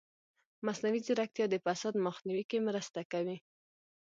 مصنوعي ځیرکتیا د فساد مخنیوي کې مرسته کوي.